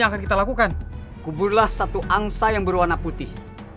kebulalan satu angsa yang berwarna putih